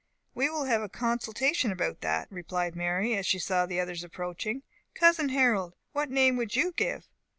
"We will have a consultation about that," replied Mary, as she saw the others approaching. "Cousin Harold, what name would you give?"